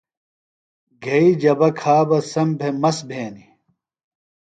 گھئی جبہ کھا بہ سم بھےۡ مست بھینیۡ۔